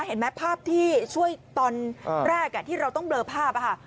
เห็นไหมภาพที่ช่วยตอนแรกที่เราต้องเบลอภาพค่ะ